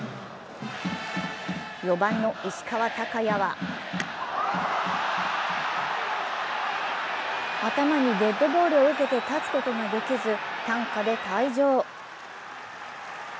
４番の石川昂弥は、頭にデッドボールを受けて立つことができず担架で退場。